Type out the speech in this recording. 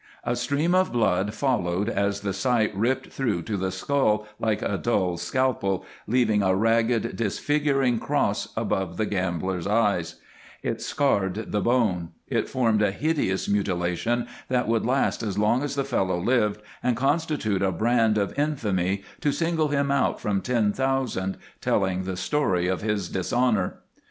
A stream of blood followed as the sight ripped through to the skull like a dull scalpel, leaving a ragged disfiguring cross above the gambler's eyes; it scarred the bone; it formed a hideous mutilation that would last as long as the fellow lived, and constitute a brand of infamy to single him out from ten thousand, telling the story of his dishonor.